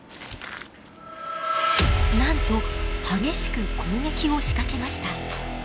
なんと激しく攻撃を仕掛けました。